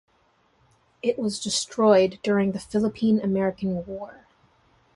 It was destroyed during the Philippine–American War.